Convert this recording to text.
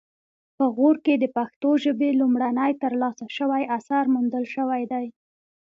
په غور کې د پښتو ژبې لومړنی ترلاسه شوی اثر موندل شوی دی